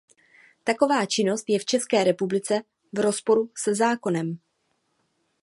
Taková činnost je v České republice v rozporu se zákonem.